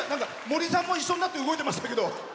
森さんも一緒になって動いていましたけど。